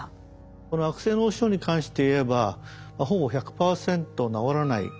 この悪性脳腫瘍に関していえばほぼ１００％治らない病気であった。